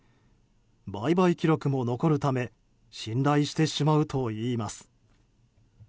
売買記録も残るため信頼してしまうといいます。